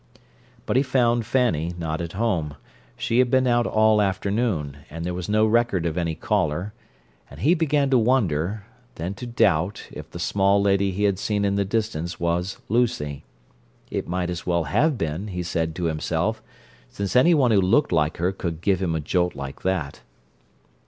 But he found Fanny not at home; she had been out all afternoon; and there was no record of any caller—and he began to wonder, then to doubt if the small lady he had seen in the distance was Lucy. It might as well have been, he said to himself—since any one who looked like her could give him "a jolt like that!"